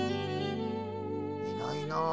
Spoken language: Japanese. いないなあ。